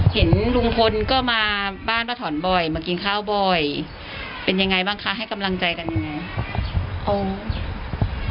เห็นลุงพลก็มาบ้านป้าถอนบ่อยมากินข้าวบ่อยเป็นยังไงบ้างคะให้กำลังใจกันยังไง